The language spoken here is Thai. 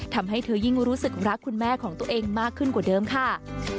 ทำให้เธอยิ่งรู้สึกรักคุณแม่ของตัวเองมากขึ้นกว่าเดิมค่ะ